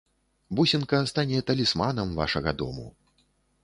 Бусінка стане талісманам вашага дому.